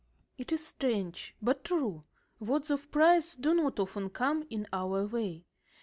_"] It is strange, but true, words of praise do not often come in our way.